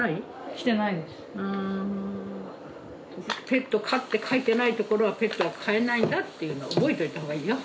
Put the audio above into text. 「ペット可」って書いてないところはペットは飼えないんだっていうのを覚えといた方がいいよ。